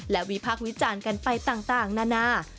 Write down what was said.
และวิพากษ์วิจารณ์กันไปต่างนานา